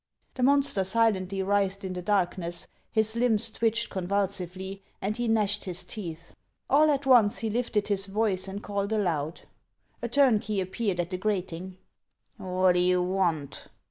The mon ster silently writhed in the darkness, his limbs twitched convulsively, and he gnashed his teeth. All at once he lifted his voice and called aloud. A turnkey appeared at the grating: "What do you want?"